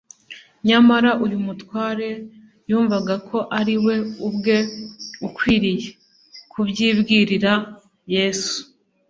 nyamara uyu mutware yumvaga ko ari we ubwe ukwiriye kubyibwirira Yesu